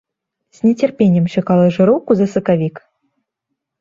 З нецярпеннем чакала жыроўку за сакавік.